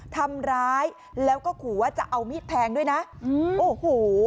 ทำร้ายแล้วก็ขู่ว่าจะเอามีดแทงด้วยนะอืมโอ้โห